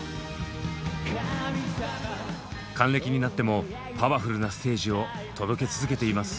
還暦になってもパワフルなステージを届け続けています。